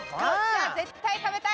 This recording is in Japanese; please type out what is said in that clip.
絶対食べたい。